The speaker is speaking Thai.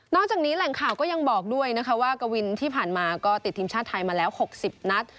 จากนี้แหล่งข่าวก็ยังบอกด้วยนะคะว่ากวินที่ผ่านมาก็ติดทีมชาติไทยมาแล้ว๖๐นัด